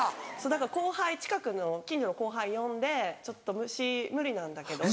だから近所の後輩呼んで「ちょっと虫無理なんだけど」。